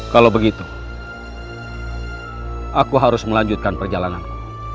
kalau begitu aku harus melanjutkan perjalananmu